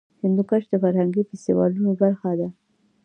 هندوکش د فرهنګي فستیوالونو برخه ده.